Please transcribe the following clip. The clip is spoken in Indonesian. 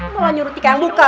mulai nyuruh tika yang buka